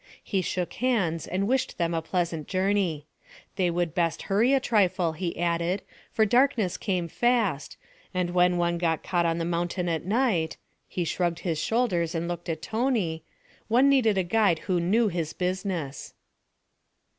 He shook hands and wished them a pleasant journey. They would best hurry a trifle, he added, for darkness came fast, and when one got caught on the mountain at night he shrugged his shoulders and looked at Tony one needed a guide who knew his business.